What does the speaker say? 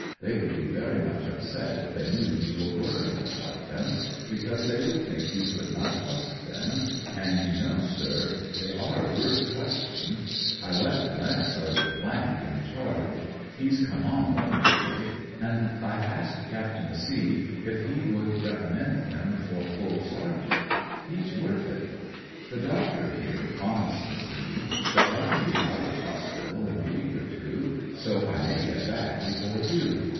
They wouid be very much upset if they knew you were worrying about them, because they would think you could not trust them, and, you know, sir, they v vorth trusting. I left Lance Sergeant in charge. He's come on wonderfully, and I asked Ciiptain C if he would recommend him for full ser geant. He's worth it. The doctor here n2 i^ \\ \i 184 THE HOSPITAL MAtt BAGS promises me that I can be out of hospital in 1^ week or two, so I may get back before you.